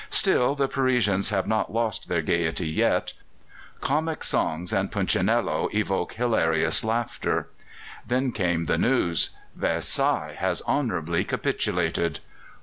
Still, the Parisians have not lost their gaiety yet; comic songs and punchinello evoke hilarious laughter. Then came the news, "Versailles has honourably capitulated."